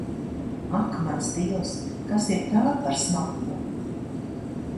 Ak, mans Dievs, kas ir tā, par smaku?